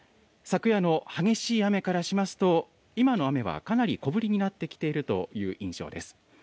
昨夜の激しい雨からしますと、今の雨はかなり小降りになってきているという印象です。